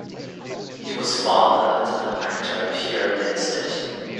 He was father to the actor Pierre Lindstedt.